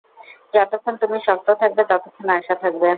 যতক্ষণ তুমি শক্ত থাকবে, ততক্ষণ আশা থাকবে।